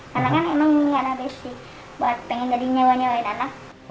karena kan emang enggak ada besi buat pengen jadi nyewa nyewain anak